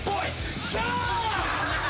よっしゃ！